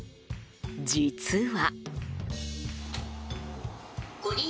実は。